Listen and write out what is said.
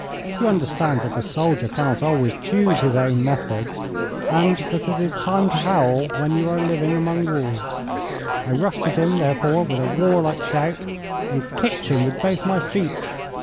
You understand that a soldier cannot always choose his own methods, and that it is time to howl when you are living among wolves. I rushed at him, therefore, with a warlike shout, and kicked him with both my feet.